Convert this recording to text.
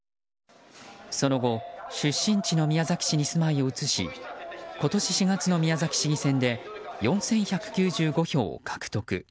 その後出身地の宮崎市に住まいを移し今年４月の宮崎市議選で４１９５票を獲得。